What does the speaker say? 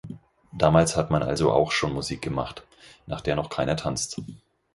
Damals hat man also auch schon Musik gemacht, nach der noch keiner tanzt.